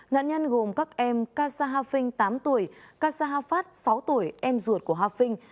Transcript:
nạn nhân gồm các em kassaha phinh tám tuổi kassaha phát sáu tuổi em ruột của kassaha phinh